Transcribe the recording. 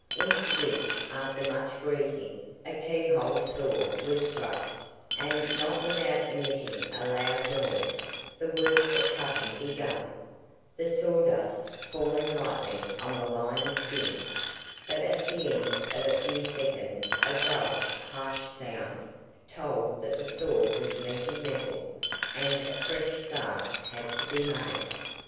Into this, after much greasing, a key hole saw was thrust, and, not without emitting a loud noise, the work of cutting began, the sawdust falling lightly on the lion's skin; but at the end of a few seconds a dull, harsh sound told that the saw was meeting metal, and a fresh start had to be made.